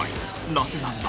なぜなんだ？